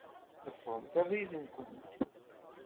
Ḍefṛemt abrid-nkent.